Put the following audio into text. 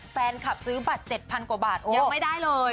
แฟนคลับซื้อบัตร๗๐๐กว่าบาทยังไม่ได้เลย